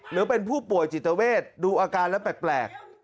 หรือเป็นผู้ป่วยจิตเวทดูอาการแล้วแปลก